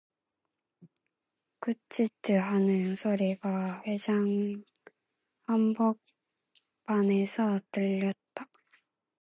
꾸짖듯 하는 소리가 회장 한복판에서 들렸다.